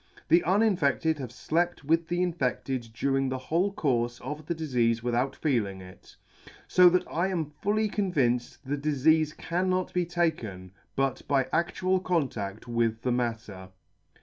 The unin fedted have flept with the infedled during the whole coiirfe of the difeafe without feeling it ; fo that I am fully convinced the difeafe cannot be taken but by adtual contadt with the matter.